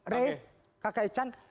re kak echan